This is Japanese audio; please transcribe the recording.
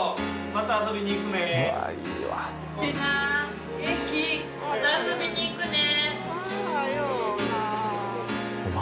また遊びに行くね。